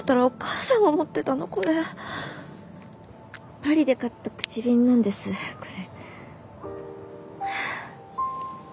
パリで買った口紅なんですこれ。